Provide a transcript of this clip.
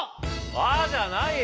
「あ！」じゃないよ。